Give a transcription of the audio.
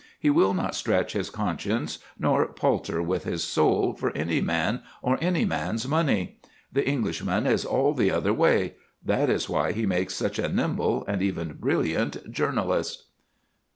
He will not stretch his conscience nor palter with his soul for any man or any man's money. The Englishman is all the other way that is why he makes such a nimble and even brilliant journalist.